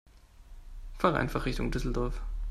Fahre einfach Richtung Düsseldorf